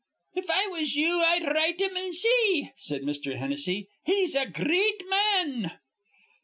"If I was you, I'd write him an' see," said Mr. Hennessy. "He's a gr reat ma an."